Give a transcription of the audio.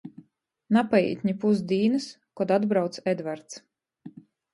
Napaīt ni pus dīnys, kod atbrauc Edvarts.